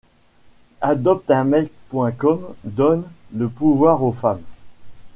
AdopteUnMec.com donne le pouvoir aux femmes.